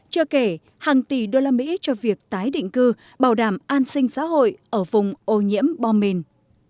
chưa kể hàng tỷ đô la mỹ cho việc tái định cư bảo đảm an sinh xã hội ở vùng ô nhiễm bom mìn